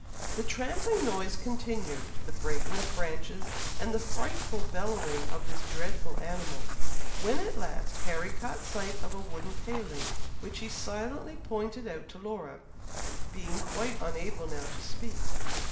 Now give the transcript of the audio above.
The trampling noise continued, the breaking of branches, and the frightful bellowing of this dreadful animal, when at last Harry caught sight of a wooden paling, which he silently pointed out to Laura, being quite unable now to speak.